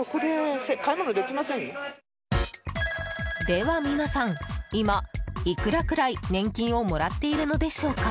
では皆さん今、いくらくらい年金をもらっているのでしょうか。